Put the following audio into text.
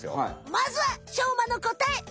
まずはしょうまのこたえ！